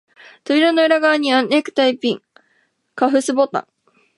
扉の裏側には、ネクタイピン、カフスボタン、